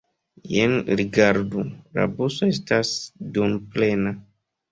Jen rigardu: la buso estas duonplena.